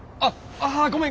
あごめん。